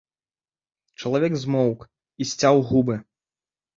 Чалавек змоўк і сцяў губы.